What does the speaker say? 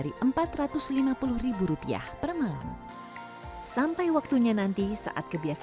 kita sampai disitu